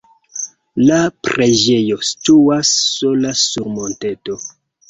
La preĝejo situas sola sur monteto.